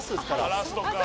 ラストか。